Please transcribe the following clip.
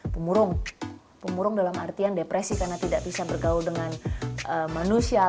pemurung pemurung dalam artian depresi karena tidak bisa bergaul dengan manusia